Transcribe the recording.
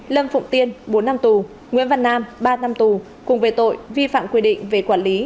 lâm phụng tiên bốn năm tù nguyễn văn nam ba năm tù cùng về tội vi phạm quy định về quản lý